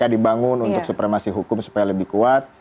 dibangun untuk supremasi hukum supaya lebih kuat